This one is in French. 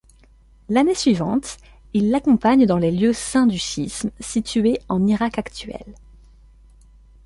L'année suivante, il l'accompagne dans les lieux saints du chiisme situés en Irak actuel.